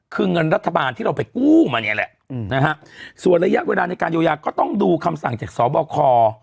คือเงินรัฐบาลที่เราไปกู้มาเนี่ยแหละนะฮะส่วนระยะเวลาในการเยียวยาก็ต้องดูคำสั่งจากสบค